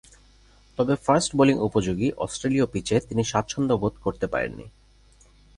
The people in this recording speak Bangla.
তবে, ফাস্ট বোলিং উপযোগী অস্ট্রেলীয় পিচে তিনি স্বাচ্ছন্দ্যবোধ করতে পারেননি।